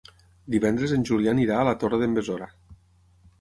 Divendres en Julià anirà a la Torre d'en Besora.